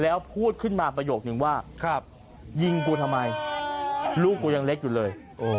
แล้วพูดขึ้นมาประโยคนึงว่ายิงกูทำไมลูกกูยังเล็กอยู่เลย